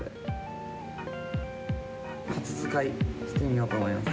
初使いしてみようと思います。